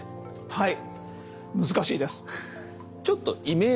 はい。